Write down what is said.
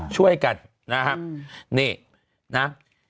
ช่วยกันนะครับ